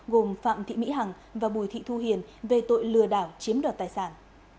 gồm phạm thị mỹ hằng và bùi thị thu hiền về tội lừa đảo chiếm đoạt tài sản